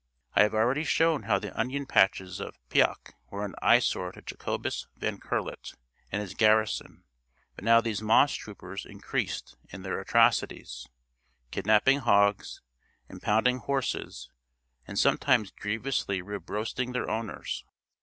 I have already shown how the onion patches of Pyquag were an eyesore to Jacobus Van Curlet and his garrison, but now these moss troopers increased in their atrocities, kidnaping hogs, impounding horses, and sometimes grievously rib roasting their owners.